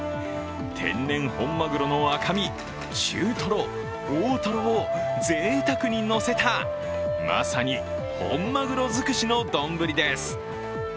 天然本まぐろの赤身、中とろ、大とろをぜいたくにのせたまさに本まぐろずくしの丼です。